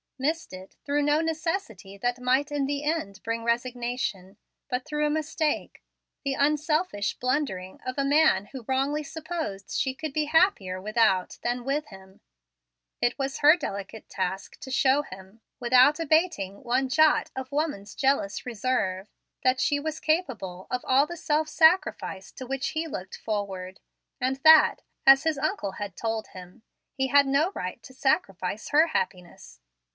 missed it through no necessity that might in the end bring resignation, but through a mistake, the unselfish blundering of a man who wrongly supposed she could be happier without than with him. It was her delicate task to show him, without abating one jot of woman's jealous reserve, that she was capable of all the self sacrifice to which he looked forward, and that, as his uncle had told him, he had no right to sacrifice her happiness.